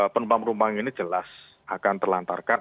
penumpang penumpang ini jelas akan terlantarkan